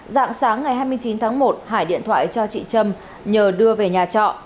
dạng sáng ngày hai mươi chín tháng một hải điện thoại cho chị trâm nhờ đưa về nhà trọ